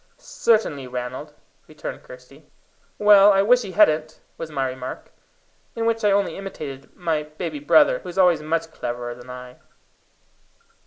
"Certainly, Ranald," returned Kirsty. "Well, I wish he hadn't," was my remark, in which I only imitated my baby brother, who was always much cleverer than I.